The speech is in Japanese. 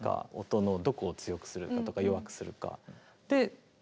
音のどこを強くするかとか弱くするか。